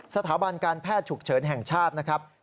สถาบันการแพทย์ฉุกเฉินแห่งชาตินะครับ